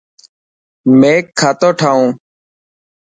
ميڪ کاتو ٺائو.